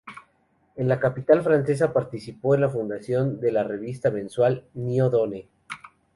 En la capital francesa, participó en la fundación de la revista mensual "Noi Donne".